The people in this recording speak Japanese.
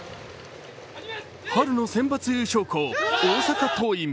春のセンバツ優勝校・大阪桐蔭。